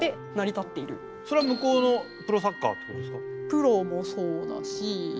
プロもそうだし。